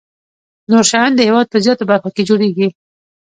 نور شیان د هېواد په زیاتو برخو کې جوړیږي.